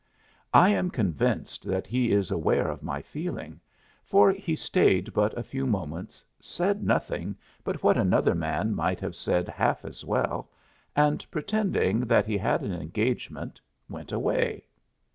I am convinced that he is aware of my feeling, for he stayed but a few moments, said nothing but what another man might have said half as well, and pretending that he had an engagement went away.